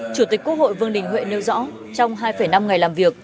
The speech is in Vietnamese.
chủ tịch quốc hội vương đình huệ nêu rõ trong hai năm ngày làm việc